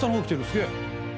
すげえ！